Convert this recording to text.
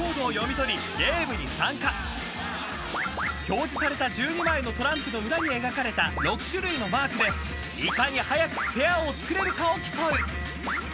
［表示された１２枚のトランプの裏に描かれた６種類のマークでいかに早くペアを作れるかを競う］